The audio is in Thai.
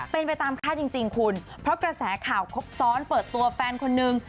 เป็นไปตามคาดจริงคุณเพราะกระแสข่าวครบซ้อนเปิดตัวแฟนคนนึง